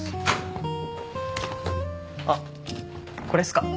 あっこれっすか？